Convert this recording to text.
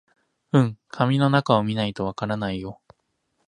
うん、紙の中を見ないとわからないよ